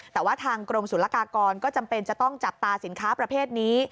แต่ว่าทางกรมศุลกากรก็จำเป็นจะต้องจับตาสินค้าประเภทนี้